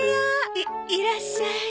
いいらっしゃい。